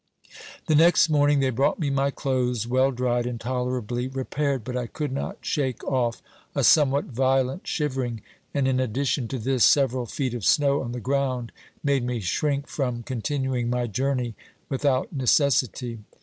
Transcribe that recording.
" The next morning they brought me my clothes well dried and tolerably repaired, but I could not shake off a somewhat violent shivering, and in addition to this several feet of snow on the ground made me shrink from continu ing my journey without necessity.